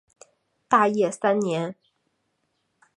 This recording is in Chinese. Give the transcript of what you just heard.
大业三年。